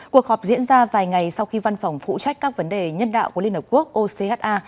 cuộc họp diễn ra vài ngày sau khi văn phòng phụ trách các vấn đề nhân đạo của liên hợp quốc ocha